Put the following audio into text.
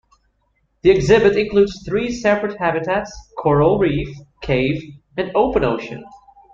The exhibit includes three separate habitats: coral reef, cave and open ocean.